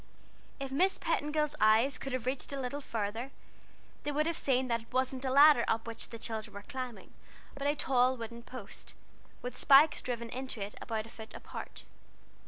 If Miss Petingill's eyes could have reached a little farther, they would have seen that it wasn't a ladder up which the children were climbing, but a tall wooden post, with spikes driven into it about a foot apart.